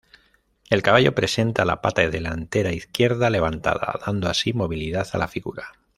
El caballo presenta la pata delantera izquierda levantada, dando así movilidad a la figura.